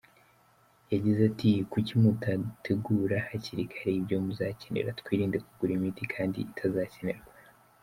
Yagize ati “Kuki mudategura hakiri kare ibyo muzakenera ? Twirinde kugura imiti kandi itazakenerwa.